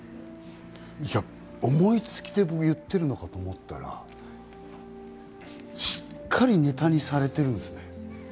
思いつきで僕、言ってるのかと思ったら、しっかりネタにされてるんですね。